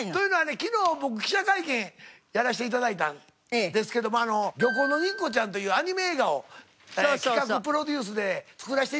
昨日僕記者会見やらして頂いたんですけども。『漁港の肉子ちゃん』というアニメ映画を企画プロデュースで作らせて頂いたんですよ。